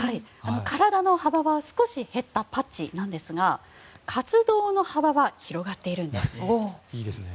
体の幅は少し減ったパッチなんですが活動の幅は広がっているんです。